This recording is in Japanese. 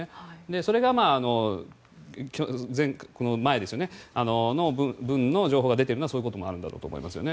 それが前の分の情報が出ているのはそういうのもあるんだと思いますね。